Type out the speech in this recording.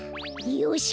よし！